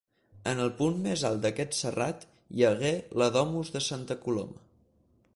En el punt més alt d'aquest serrat hi hagué la Domus de Santa Coloma.